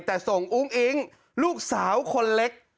แต่ส่งอุ้งอิ๊งลูกสาวคนเล็ก